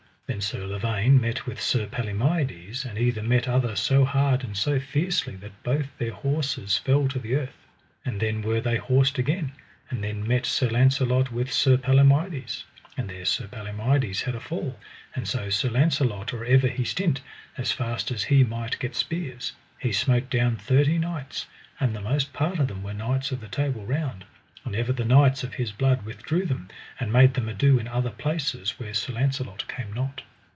Then Sir Lavaine met with Sir Palomides, and either met other so hard and so fiercely that both their horses fell to the earth. And then were they horsed again, and then met Sir Launcelot with Sir Palomides, and there Sir Palomides had a fall; and so Sir Launcelot or ever he stint, as fast as he might get spears, he smote down thirty knights, and the most part of them were knights of the Table Round; and ever the knights of his blood withdrew them, and made them ado in other places where Sir Launcelot came not.